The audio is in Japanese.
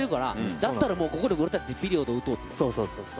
だったらもう、ここで俺たちがピリオドを打とうって。